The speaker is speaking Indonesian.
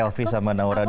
selfie sama naura dulu